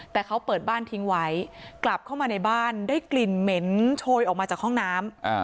แต่เขาเปิดบ้านทิ้งไว้กลับเข้ามาในบ้านได้กลิ่นเหม็นโชยออกมาจากห้องน้ำ